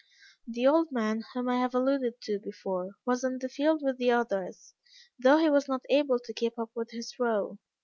The old man whom I have alluded to before, was in the field with the others, though he was not able to keep up with his row.